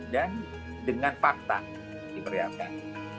dan dengan fakta diberi akan